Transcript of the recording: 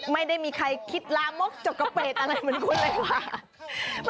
ไม่ได้มีใครคิดลามกจกกระเปดอะไรเหมือนคุณเลยว่ะ